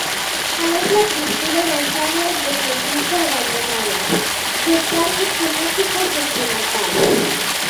A mesma tristura das áreas de servizo abandonadas, dos parques temáticos sen rematar.